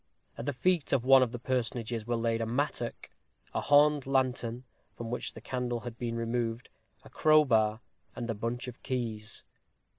At the feet of one of the personages were laid a mattock, a horn lantern from which the candle had been removed , a crowbar, and a bunch of keys.